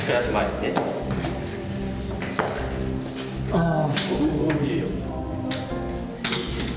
ああ。